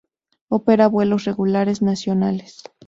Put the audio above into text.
Opera vuelos regulares nacionales.